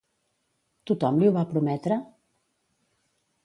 Tothom li ho va prometre?